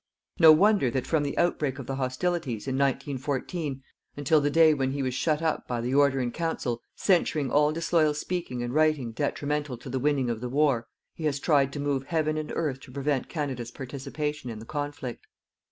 No wonder that from the outbreak of the hostilities, in 1914, until the day when he was shut up by the Order in Council censuring all disloyal speaking and writing detrimental to the winning of the war, he has tried to move heaven and earth to prevent Canada's participation in the conflict.